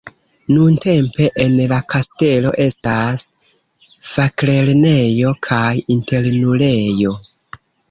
Nuntempe en la kastelo estas faklernejo kaj internulejo.